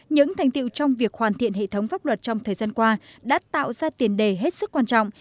những thành tiệu trong việc hoàn thiện hệ thống pháp luật trong thời gian qua đã tạo ra tiền đề hết sức quan trọng